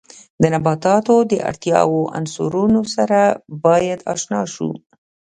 د نباتاتو د اړتیاوو عنصرونو سره باید آشنا شو.